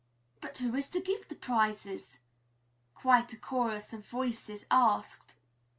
"But who is to give the prizes?" quite a chorus of voices asked.